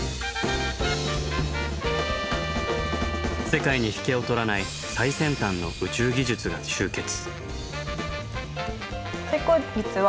世界に引けを取らない最先端の宇宙技術が集結。